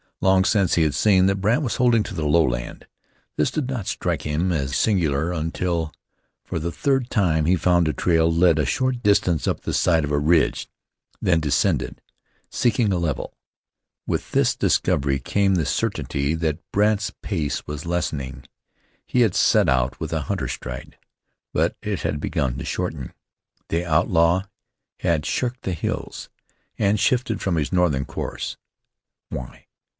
Long since he had seen that Brandt was holding to the lowland. This did not strike him as singular until for the third time he found the trail lead a short distance up the side of a ridge, then descend, seeking a level. With this discovery came the certainty that Brandt's pace was lessening. He had set out with a hunter's stride, but it had begun to shorten. The outlaw had shirked the hills, and shifted from his northern course. Why?